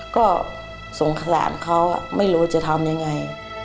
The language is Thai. ก็สงสารเขาไม่รู้จะทำยังไง